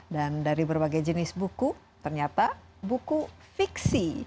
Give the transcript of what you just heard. dan dari berbagai jenis buku ternyata buku fiksi